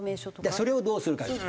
それをどうするかです。